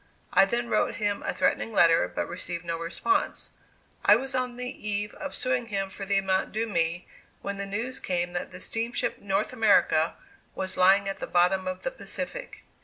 I then wrote him a threatening letter, but received no response. I was on the eve of suing him for the amount due me, when the news came that the steamship "North America" was lying at the bottom of the Pacific.